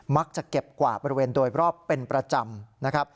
มักจะเก็บกว่าบริเวณโดยรอบเป็นประจำ